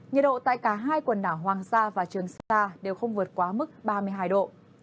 nhiệt độ tại cả hai quần đảo hoàng sa và trường sa đều không vượt quá mức ba mươi hai độ